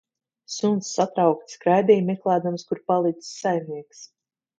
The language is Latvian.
Suns satraukti skraidīja, meklēdams, kur palicis saimnieks